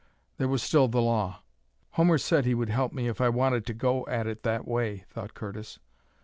There was still the law. "Homer said he would help me if I wanted to go at it that way," thought Curtis.